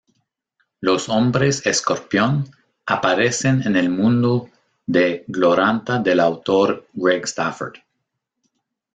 Los Hombres Escorpión aparecen en el mundo de Glorantha del autor Greg Stafford.